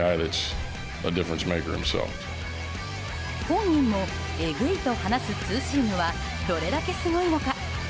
本人も、えぐいと話すツーシームはどれだけすごいのか。